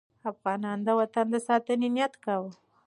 افغانان د وطن د ساتنې نیت کاوه.